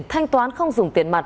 thanh toán không dùng tiền mặt